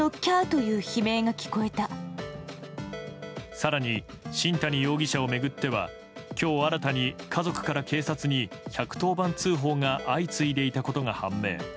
更に、新谷容疑者を巡っては今日新たに家族から警察に１１０番通報が相次いでいたことが判明。